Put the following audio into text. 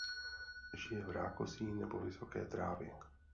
Žije v rákosí nebo vysoké trávě.